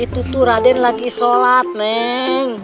itu tuh raden lagi sholat neng